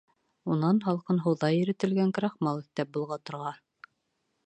Унан һалҡын һыуҙа иретелгән крахмал өҫтәп болғатырға.